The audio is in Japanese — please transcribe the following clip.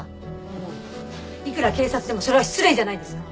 あのいくら警察でもそれは失礼じゃないですか？